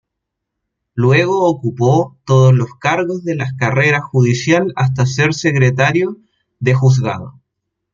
Luego ocupó todos los cargos de la carrera judicial hasta ser secretario de Juzgado.